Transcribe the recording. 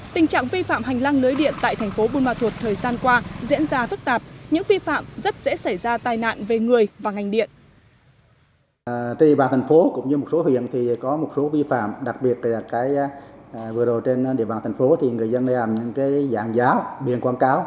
tình trạng vi phạm hành lang lưới điện tại thành phố buôn ma thuột thời gian qua diễn ra phức tạp những vi phạm rất dễ xảy ra tai nạn về người và ngành điện